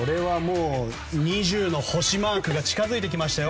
２０の星マークが近づいてきましたよ！